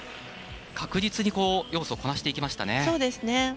確実に要素こなしていきましたね。